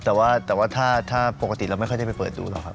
แต่ว่าถ้าปกติเราไม่ค่อยได้ไปเปิดดูหรอกครับ